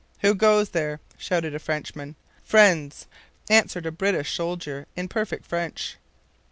'Who goes there?' shouted a Frenchman. 'Friends!' answered a British soldier in perfect French.